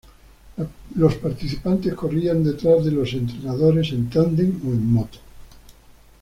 Los participantes corrían detrás de entrenadores en tándem o en moto.